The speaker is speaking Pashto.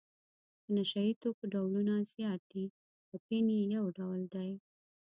د نشه یي توکو ډولونه زیات دي اپین یې یو ډول دی.